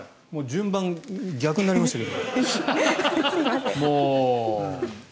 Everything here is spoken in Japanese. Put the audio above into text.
順番、逆になりましたが。